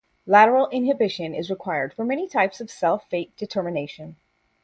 Lateral inhibition is required for many types of cell fate determination.